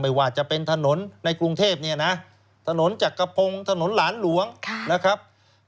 ไม่ว่าจะเป็นถนนในกรุงเทพเนี่ยนะถนนจักรพงศ์ถนนหลานหลวงนะครับ